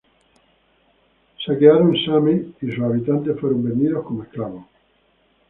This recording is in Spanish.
Same fue saqueada y sus habitantes fueron vendidos como esclavos.